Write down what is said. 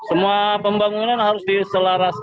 er parfaito harus tujuh puluh tiga miliar rupiah